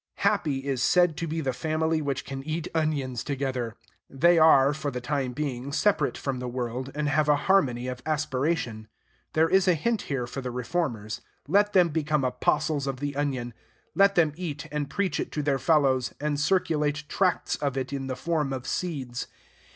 Happy is said to be the family which can eat onions together. They are, for the time being, separate from the world, and have a harmony of aspiration. There is a hint here for the reformers. Let them become apostles of the onion; let them eat, and preach it to their fellows, and circulate tracts of it in the form of seeds.